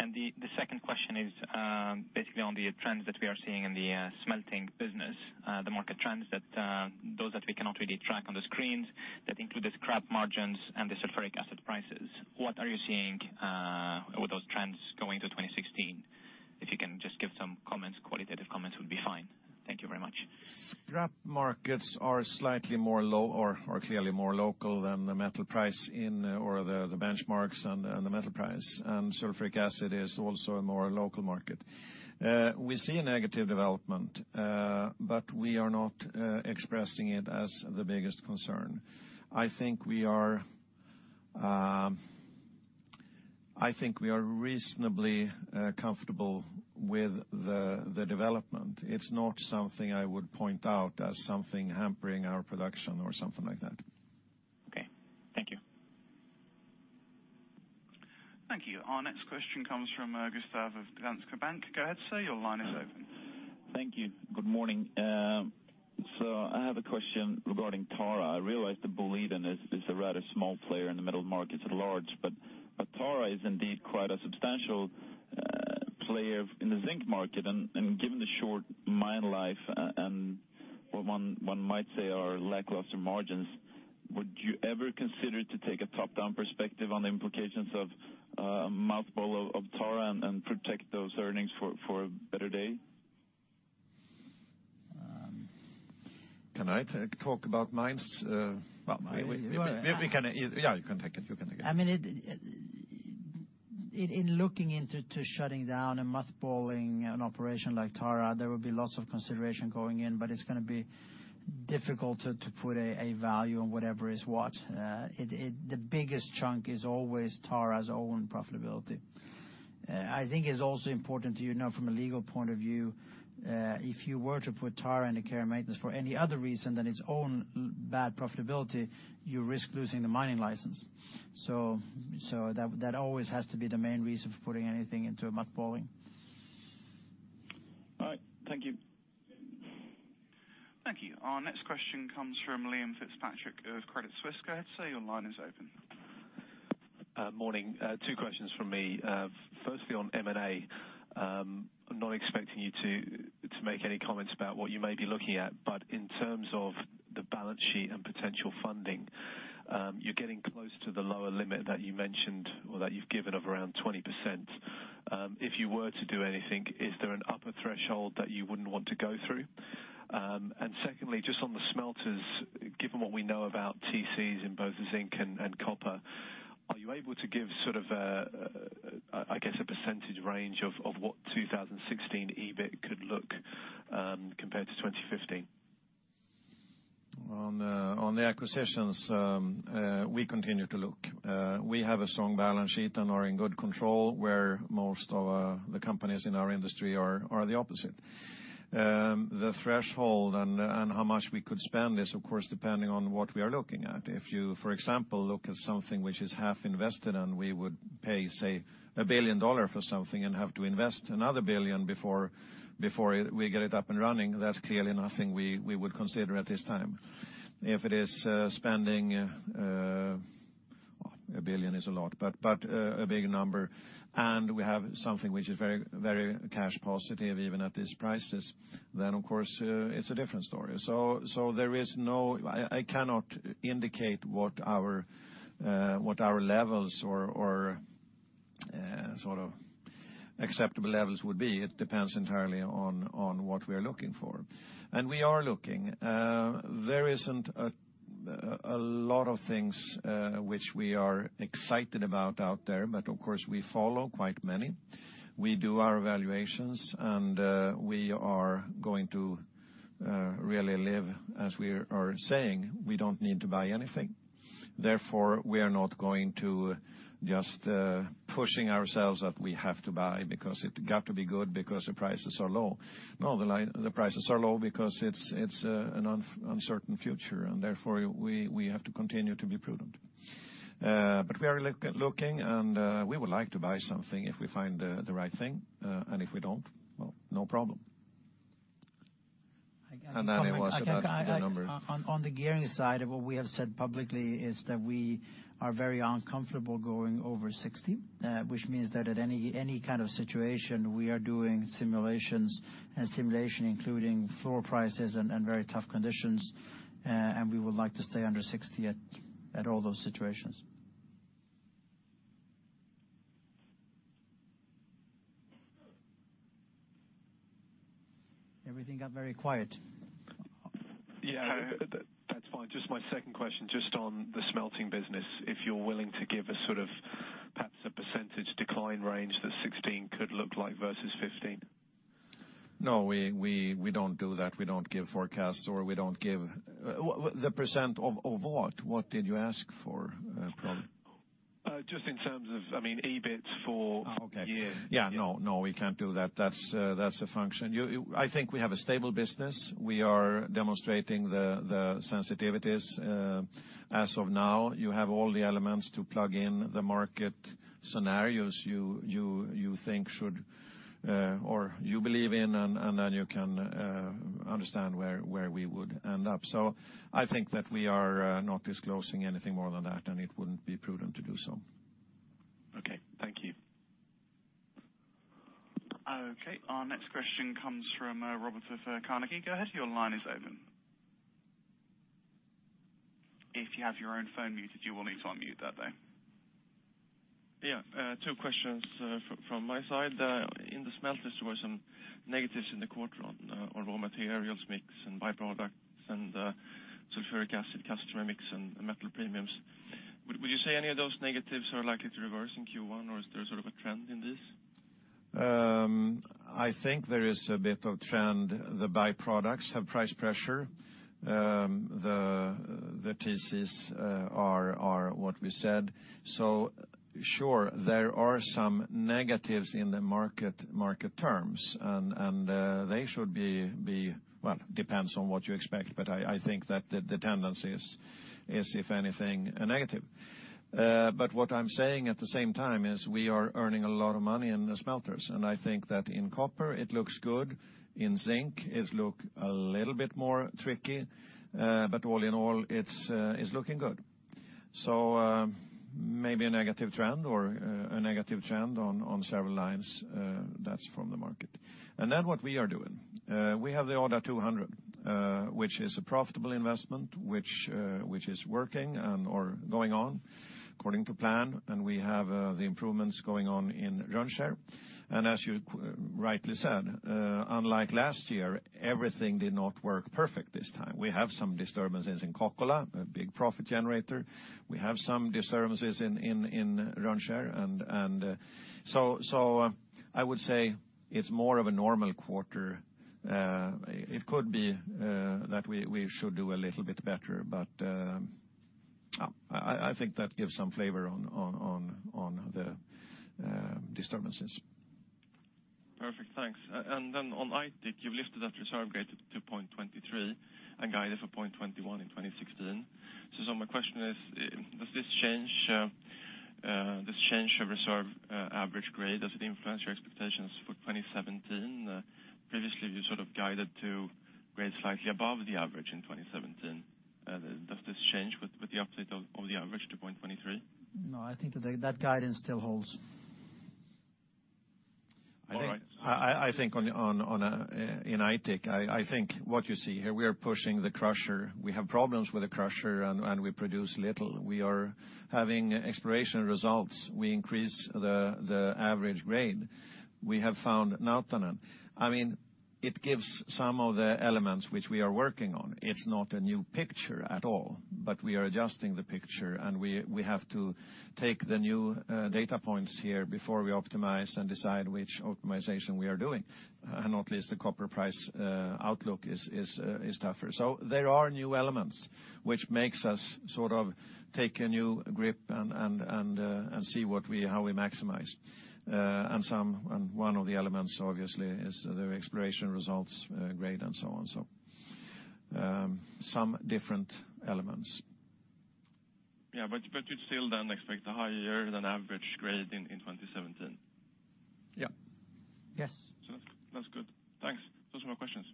Speaker 9: Fine. Thank you. The second question is basically on the trends that we are seeing in the smelting business, the market trends, those that we cannot really track on the screens, that includes scrap margins and the sulfuric acid prices. What are you seeing with those trends going to 2016? If you can just give some comments, qualitative comments would be fine. Thank you very much.
Speaker 2: Scrap markets are clearly more local than the metal price in or the benchmarks and the metal price, and sulfuric acid is also a more local market. We see a negative development, we are not expressing it as the biggest concern. I think we are reasonably comfortable with the development. It's not something I would point out as something hampering our production or something like that.
Speaker 9: Okay. Thank you.
Speaker 8: Thank you. Our next question comes from Gustav of Danske Bank. Go ahead, sir, your line is open.
Speaker 10: Thank you. Good morning. I have a question regarding Tara. I realize that Boliden is a rather small player in the metal markets at large, but Tara is indeed quite a substantial player in the zinc market. Given the short mine life and what one might say are lackluster margins, would you ever consider to take a top-down perspective on the implications of mothballing Tara and protect those earnings for a better day?
Speaker 2: Can I talk about mines?
Speaker 3: Well-
Speaker 2: You want to? Yeah, you can take it.
Speaker 3: In looking into shutting down and mothballing an operation like Tara, there would be lots of consideration going in. It's going to be difficult to put a value on whatever is what. The biggest chunk is always Tara's own profitability. I think it's also important to you know from a legal point of view, if you were to put Tara into care and maintenance for any other reason than its own bad profitability, you risk losing the mining license. That always has to be the main reason for putting anything into a mothballing.
Speaker 10: All right. Thank you.
Speaker 8: Thank you. Our next question comes from Liam Fitzpatrick of Credit Suisse. Go ahead, sir, your line is open.
Speaker 11: Morning. Two questions from me. Firstly, on M&A. I'm not expecting you to make any comments about what you may be looking at, but in terms of the balance sheet and potential funding, you're getting close to the lower limit that you mentioned or that you've given of around 20%. If you were to do anything, is there an upper threshold that you wouldn't want to go through? Secondly, just on the smelters, given what we know about TCs in both zinc and copper, are you able to give a percentage range of what 2016 EBIT could look compared to 2015?
Speaker 2: On the acquisitions, we continue to look. We have a strong balance sheet and are in good control where most of the companies in our industry are the opposite. The threshold and how much we could spend is of course depending on what we are looking at. If you, for example, look at something which is half invested and we would pay, say, SEK 1 billion for something and have to invest another 1 billion before we get it up and running, that's clearly nothing we would consider at this time. If it is spending, a billion is a lot, but a big number, and we have something which is very cash positive even at these prices, then of course it's a different story. I cannot indicate what our levels or acceptable levels would be. It depends entirely on what we're looking for. We are looking. There isn't a lot of things which we are excited about out there, but of course we follow quite many. We do our evaluations, and we are going to really live as we are saying. We don't need to buy anything. Therefore, we are not going to just pushing ourselves that we have to buy because it got to be good because the prices are low. No, the prices are low because it's an uncertain future, and therefore we have to continue to be prudent. We are looking, and we would like to buy something if we find the right thing. If we don't, well, no problem. It was about the number-
Speaker 3: On the gearing side of what we have said publicly is that we are very uncomfortable going over 60, which means that at any kind of situation, we are doing simulations, and simulation including floor prices and very tough conditions, and we would like to stay under 60 at all those situations. Everything got very quiet.
Speaker 11: Yeah. That's fine. Just my second question, just on the smelting business, if you're willing to give perhaps a % decline range that 2016 could look like versus 2015?
Speaker 2: No, we don't do that. We don't give forecasts or we don't give the % of what? What did you ask for, sorry?
Speaker 11: Just in terms of, I mean, EBIT.
Speaker 2: Okay
Speaker 11: year.
Speaker 2: Yeah. No, we can't do that. That's a function. I think we have a stable business. We are demonstrating the sensitivities. As of now, you have all the elements to plug in the market scenarios you think should or you believe in, and then you can understand where we would end up. I think that we are not disclosing anything more than that, and it wouldn't be prudent to do so.
Speaker 11: Okay. Thank you.
Speaker 8: Okay. Our next question comes from Robert of Carnegie. Go ahead, your line is open. If you have your own phone muted, you will need to unmute that though.
Speaker 12: Yeah. Two questions from my side. In the smelters, there were some negatives in the quarter on raw materials mix and byproducts and sulfuric acid price term mix and metal premiums. Would you say any of those negatives are likely to reverse in Q1, or is there a sort of a trend in this?
Speaker 2: I think there is a bit of trend. The byproducts have price pressure. The TCs are what we said. Sure, there are some negatives in the market terms, and they should be, depends on what you expect, but I think that the tendency is, if anything, a negative. What I'm saying at the same time is we are earning a lot of money in the smelters. I think that in copper, it looks good. In zinc, it look a little bit more tricky. All in all, it's looking good. Maybe a negative trend or a negative trend on several lines. That's from the market. What we are doing. We have the Odda 200, which is a profitable investment, which is working or going on according to plan, and we have the improvements going on in Rönnskär. As you rightly said, unlike last year, everything did not work perfect this time. We have some disturbances in Kokkola, a big profit generator. We have some disturbances in Rönnskär. I would say it's more of a normal quarter. It could be that we should do a little bit better, but I think that gives some flavor on the disturbances.
Speaker 12: Perfect. Thanks. On Aitik, you've lifted that reserve grade to 2.23 and guided for 2.21 in 2016. My question is, does this change reserve average grade? Does it influence your expectations for 2017? Previously, you sort of guided to grade slightly above the average in 2017. Does this change with the update of the average to 2.23?
Speaker 3: No, I think that guidance still holds.
Speaker 12: All right.
Speaker 2: I think in Aitik, I think what you see here, we are pushing the crusher. We have problems with the crusher, and we produce little. We are having exploration results. We increase the average grade. We have found Nautanen. It gives some of the elements which we are working on. It's not a new picture at all, but we are adjusting the picture, and we have to take the new data points here before we optimize and decide which optimization we are doing. Not least, the copper price outlook is tougher. There are new elements which makes us sort of take a new grip and see how we maximize. One of the elements, obviously, is the exploration results, grade, and so on. Some different elements.
Speaker 12: Yeah, you'd still then expect a higher-than-average grade in 2017?
Speaker 2: Yeah.
Speaker 3: Yes.
Speaker 12: That's good. Thanks. Those are my questions.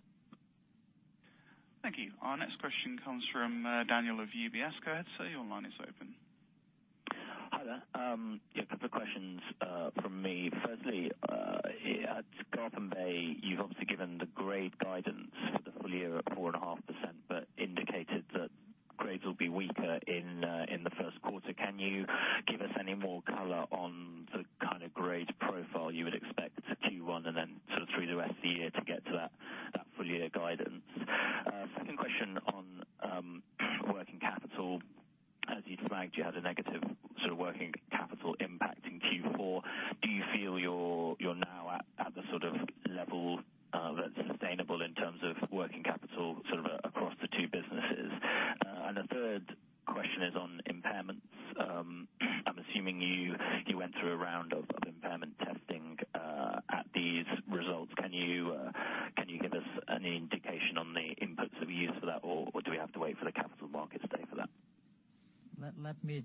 Speaker 8: Thank you. Our next question comes from Daniel of UBS. Go ahead, sir, your line is open.
Speaker 13: Hi there. Yeah, a couple of questions from me. Firstly, at Garpenberg, you've obviously given the grade guidance for the full year at 4.5% but indicated that grades will be weaker in the first quarter. Can you give us any more color on the kind of grade profile you would expect for Q1 and then sort of through the rest of the year to get to that full year guidance? Flagged you had a negative working capital impact in Q4. Do you feel you're now at the sort of level that's sustainable in terms of working capital, sort of across the two businesses? A third question is on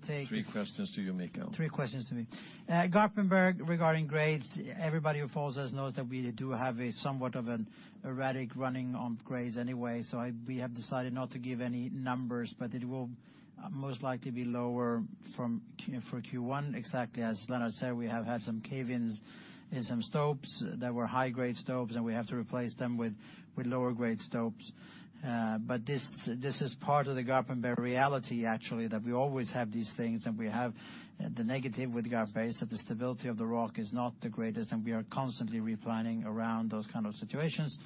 Speaker 13: impairments. I'm assuming you went through a round of impairment testing at these results. Can you give us any indication on the inputs that we use for that, or do we have to wait for the Capital Markets Day for that?
Speaker 3: Let me take-
Speaker 2: Three questions to you, Mikael.
Speaker 3: Three questions to me. Garpenberg, regarding grades, everybody who follows us knows that we do have a somewhat of an erratic running on grades anyway. We have decided not to give any numbers, but it will most likely be lower for Q1. Exactly as Lennart said, we have had some cave-ins in some stopes that were high-grade stopes, and we have to replace them with lower grade stopes. This is part of the Garpenberg reality, actually, that we always have these things, and we have the negative with Garpenberg is that the stability of the rock is not the greatest, and we are constantly re-planning around those kind of situations.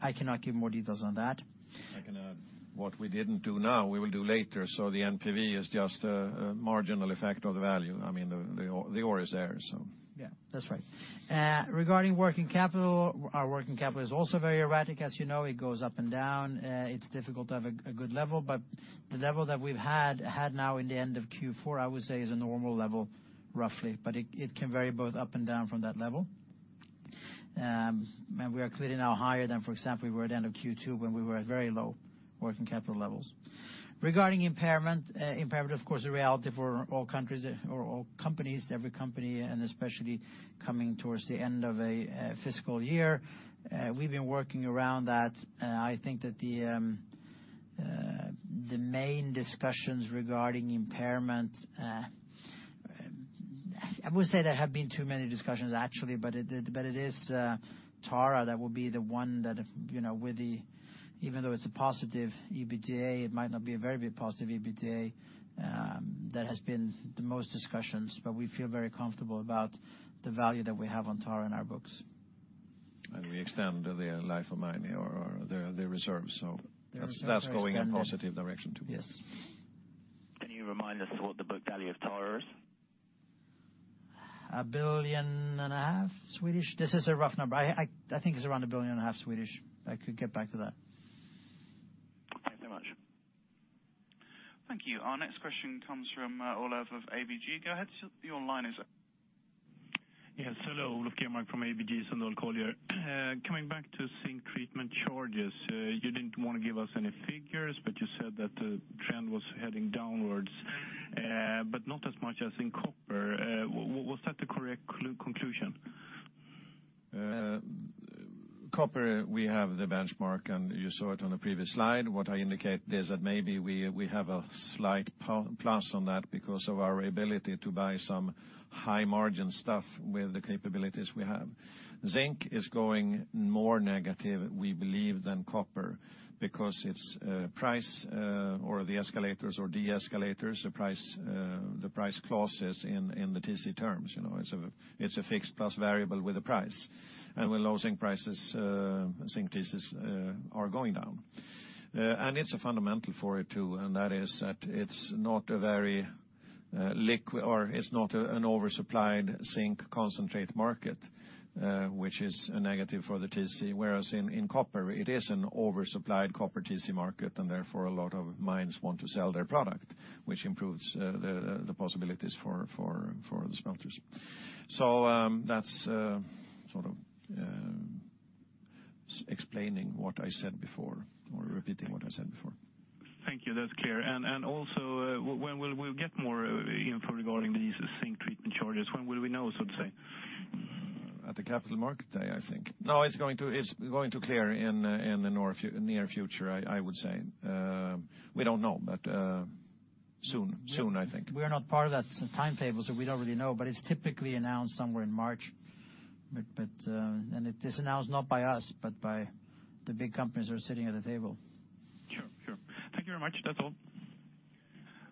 Speaker 3: I cannot give more details on that.
Speaker 2: I can add, what we didn't do now, we will do later. The NPV is just a marginal effect of the value. I mean, the ore is there.
Speaker 3: Yeah. That's right. Regarding working capital, our working capital is also very erratic as you know. It goes up and down. It's difficult to have a good level, but the level that we've had now in the end of Q4, I would say is a normal level, roughly. It can vary both up and down from that level. We are clearly now higher than, for example, we were at the end of Q2 when we were at very low working capital levels. Regarding impairment, of course, a reality for all companies, every company, and especially coming towards the end of a fiscal year. We've been working around that. I think the main discussions regarding impairment, I would say there have been too many discussions, actually, it is Tara that will be the one that, even though it's a positive EBITDA, it might not be a very big positive EBITDA. That has been the most discussions, but we feel very comfortable about the value that we have on Tara in our books.
Speaker 2: We extend the life of mine or the reserves, that's going in a positive direction, too.
Speaker 3: Yes.
Speaker 13: Can you remind us what the book value of Tara is?
Speaker 3: A billion and a half SEK. This is a rough number. I think it's around a billion and a half SEK. I could get back to that.
Speaker 13: Thank you very much.
Speaker 8: Thank you. Our next question comes from Olof of ABG. Go ahead, your line is open.
Speaker 14: Yes, hello. Olof Grenmark from ABG Sundal Collier. Coming back to zinc treatment charges, you didn't want to give us any figures, but you said that the trend was heading downwards, but not as much as in copper. Was that the correct conclusion?
Speaker 2: Copper, we have the benchmark, and you saw it on the previous slide. What I indicate is that maybe we have a slight plus on that because of our ability to buy some high-margin stuff with the capabilities we have. Zinc is going more negative, we believe, than copper because its price or the escalators or de-escalators, the price clauses in the TC terms. It's a fixed plus variable with a price. With low zinc prices, zinc TCs are going down. It's a fundamental for it too, and that is that it's not an oversupplied zinc concentrate market, which is a negative for the TC. Whereas in copper, it is an oversupplied copper TC market, and therefore, a lot of mines want to sell their product, which improves the possibilities for the smelters. That's sort of explaining what I said before or repeating what I said before.
Speaker 14: Thank you. That's clear. Also, when we'll get more info regarding these zinc treatment charges, when will we know, so to say?
Speaker 2: At the Capital Markets Day, I think. No, it's going to clear in the near future, I would say. We don't know, but soon, I think.
Speaker 3: We are not part of that timetable, so we don't really know, but it's typically announced somewhere in March. It is announced not by us, but by the big companies who are sitting at the table.
Speaker 14: Sure. Thank you very much. That's all.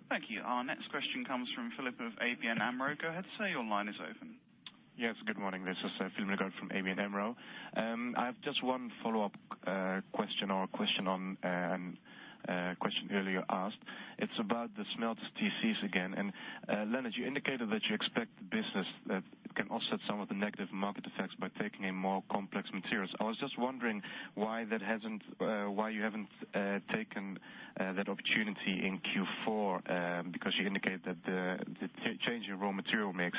Speaker 8: Thank you. Our next question comes from Philip of ABN AMRO. Go ahead, sir, your line is open.
Speaker 15: Yes, good morning. This is Philip de Groot from ABN AMRO. I have just one follow-up question or a question on a question earlier asked. It's about the smelter TCs again. Lennart, you indicated that you expect the business that it can offset some of the negative market effects by taking in more complex materials. I was just wondering why you haven't taken that opportunity in Q4, because you indicate that the change in raw material mix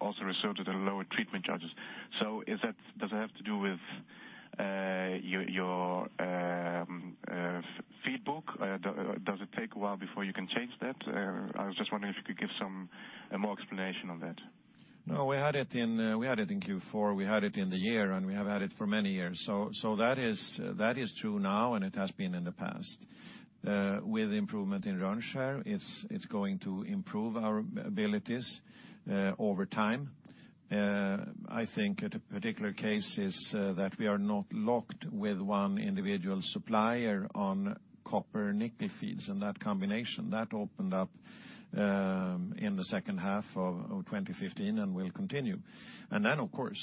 Speaker 15: also resulted in lower treatment charges. Does that have to do with your feedback? Does it take a while before you can change that? I was just wondering if you could give some more explanation on that.
Speaker 2: No, we had it in Q4, we had it in the year, and we have had it for many years. That is true now and it has been in the past. With improvement in Rönnskär, it's going to improve our abilities over time. I think the particular case is that we are not locked with one individual supplier on copper nickel feeds and that combination. That opened up
Speaker 3: In the second half of 2015 and will continue. Then, of course,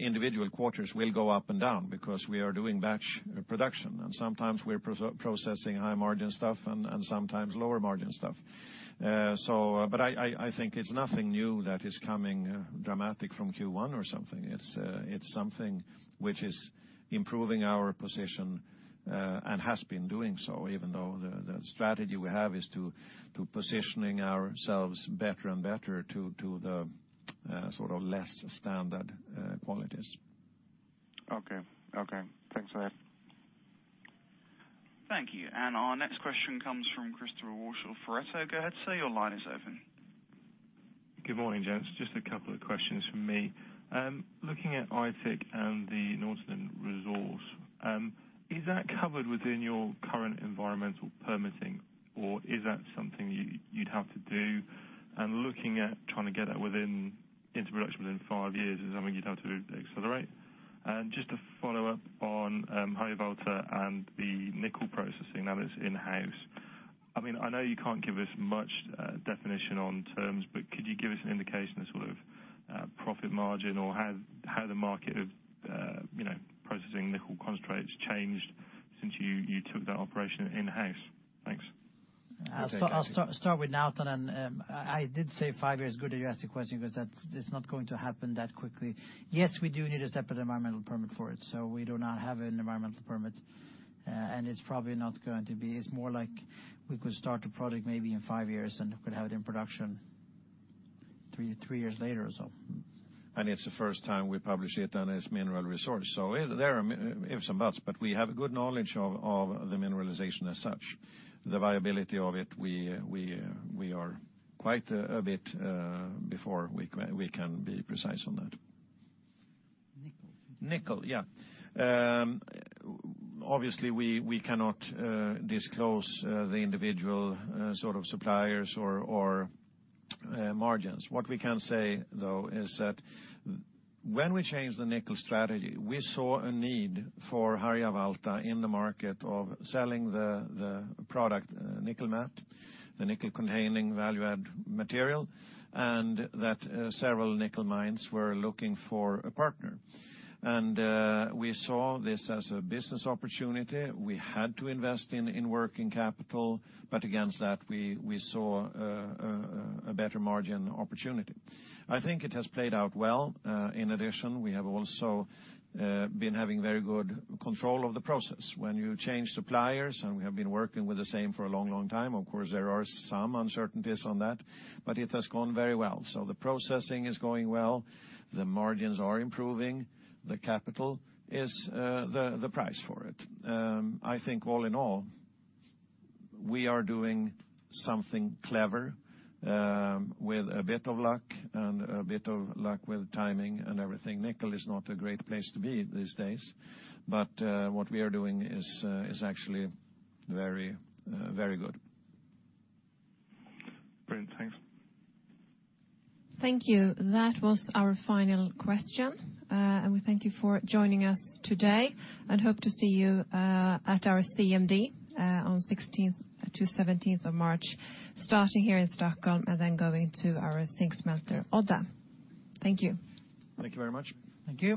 Speaker 3: individual quarters will go up and down because we are doing batch production, and sometimes we're processing high-margin stuff and sometimes lower-margin stuff. I think it's nothing new that is coming dramatic from Q1 or something. It's something which is improving our position and has been doing so, even though the strategy we have is to positioning ourselves better and better to the less standard qualities.
Speaker 15: Okay. Thanks for that.
Speaker 8: Thank you. Our next question comes from Christopher Wash of Pareto. Go ahead, sir, your line is open.
Speaker 16: Good morning, gents. Just a couple of questions from me. Looking at Aitik and the Northland resource, is that covered within your current environmental permitting, or is that something you'd have to do? Looking at trying to get that into production within five years is something you'd have to accelerate? Just to follow up on Harjavalta and the nickel processing, now that it's in-house. I know you can't give us much definition on terms, but could you give us an indication of profit margin or how the market of processing nickel concentrates changed since you took that operation in-house? Thanks.
Speaker 3: I'll start with Northland. I did say five years. Good that you asked the question, because it's not going to happen that quickly. Yes, we do need a separate environmental permit for it. We do not have an environmental permit, it's probably not going to be. It's more like we could start a project maybe in five years could have it in production three years later or so.
Speaker 2: It's the first time we publish it as mineral resource. There are ifs and buts, but we have good knowledge of the mineralization as such. The viability of it, we are quite a bit before we can be precise on that.
Speaker 3: Nickel.
Speaker 2: Nickel, yeah. Obviously, we cannot disclose the individual suppliers or margins. What we can say, though, is that when we changed the nickel strategy, we saw a need for Harjavalta in the market of selling the product nickel matte, the nickel-containing value-add material, and that several nickel mines were looking for a partner. We saw this as a business opportunity. We had to invest in working capital, but against that, we saw a better margin opportunity. I think it has played out well. In addition, we have also been having very good control of the process. When you change suppliers, and we have been working with the same for a long time, of course, there are some uncertainties on that, but it has gone very well. The processing is going well. The margins are improving. The capital is the price for it. I think all in all, we are doing something clever with a bit of luck and a bit of luck with timing and everything. Nickel is not a great place to be these days. What we are doing is actually very good.
Speaker 16: Brilliant. Thanks.
Speaker 2: Thank you. That was our final question. We thank you for joining us today and hope to see you at our Capital Markets Day on 16th-17th of March, starting here in Stockholm and then going to our zinc smelter, Odda. Thank you.
Speaker 3: Thank you very much. Thank you.